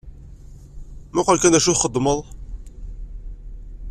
Muqel kan d acu txeddmeḍ.